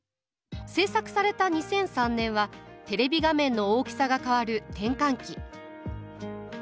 制作された２００３年はテレビ画面の大きさが変わる転換期。